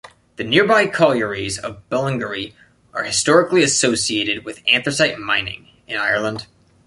The nearby collieries of Ballingarry are historically associated with anthracite mining in Ireland.